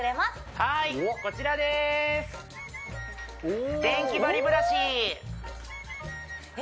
はいこちらですえ？